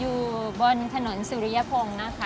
อยู่บนถนนสุริยพงศ์นะคะ